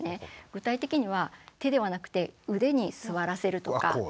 具体的には手ではなくて腕に座らせるとか。